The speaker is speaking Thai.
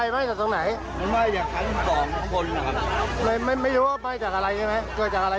ลูกก็หลานอ่ะเอาน้ำตักเข้าไปแล้วก็เดี๋ยวก็ลุกปุ๊บเลย